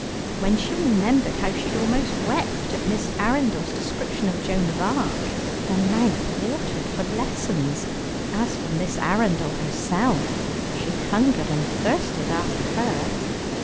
When she remembered how she had almost wept at Miss Arundel's description of Joan of Arc, her mouth watered for lessons. As for Miss Arundel herself, she hungered and thirsted after her.